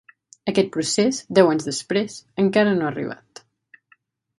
Aquest procés, deu anys després, encara no ha arribat.